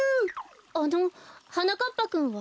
あのはなかっぱくんは？